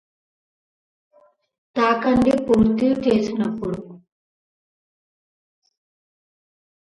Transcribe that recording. మా కళను గుర్తించి వాళ్ళు ఇక్కడికి రావడం ఎంతో ఆనందంగా ఉంటుంది.